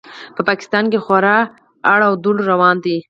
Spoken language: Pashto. په پاکستان کې خورا اړ و دوړ روان دی.